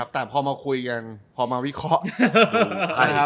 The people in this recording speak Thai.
แต่พอมาคุยกันพอมาวิเคราะห์